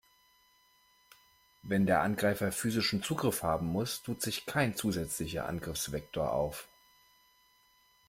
Wenn der Angreifer physischen Zugriff haben muss, tut sich kein zusätzlicher Angriffsvektor auf.